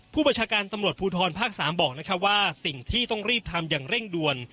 พบศภูทรพศภ๓บอกว่าสิ่งที่ต้องรีบทำอย่างเร่งด่วน